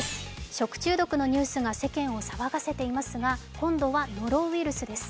食中毒のニュースが世間を騒がせていますが今度はノロウイルスです。